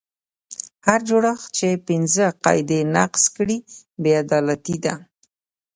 هر جوړښت چې پنځه قاعدې نقض کړي بې عدالتي ده.